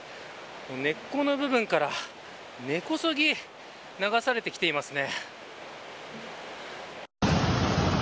根っこの部分から根こそぎ流されてきていますね。